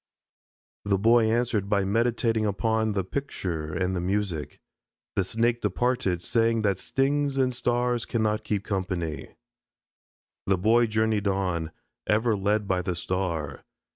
The Boy answered by meditating upon the picture and music. The Snake departed, saying that stings and stars cannot keep company. The Boy journeyed on, ever led by the star.